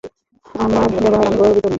আমার ব্যবহারে আমি গর্বিত নই।